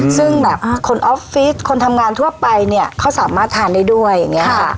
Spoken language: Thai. ซึ่งแบบคนออฟฟิศคนทำงานทั่วไปเนี่ยเขาสามารถทานได้ด้วยอย่างนี้ค่ะ